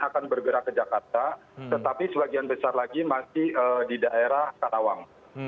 akan bergerak ke jakarta tetapi sebagian besar lagi masih di daerah karawang